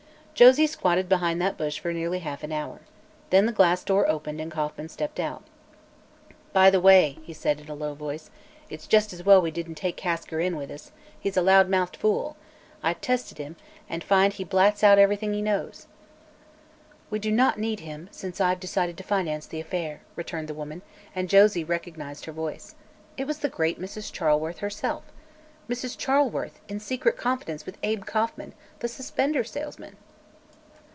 Josie squatted behind that bush for nearly half an hour. Then the glass door opened and Kauffman stepped out. "By the way," he said in a low voice, "it's just as well we didn't take Kasker in with us. He's a loud mouthed fool. I've tested him and find he blats out everything he knows." "We do not need him, since I've decided to finance the affair," returned the woman, and Josie recognized her voice. It was the great Mrs. Charleworth herself. Mrs. Charleworth, in secret conference with Abe Kauffman, the suspender salesman!